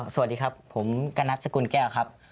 สวัสดีครับผมกนัดสกุลแก้วครับ